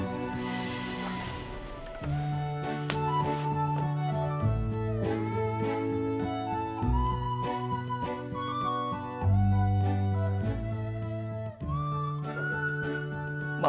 aku tidak bisa melindungi kamu bayang